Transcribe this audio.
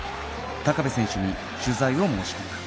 部選手に取材を申し込んだ